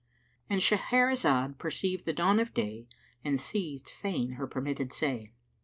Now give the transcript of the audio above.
—And Shahrazad perceived the dawn of day and ceased saying her permitted say.